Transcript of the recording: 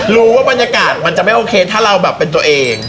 รู้ว่าบรรยากาศมันจะไม่โอเคถ้าเราแบบเป็นตัวเอง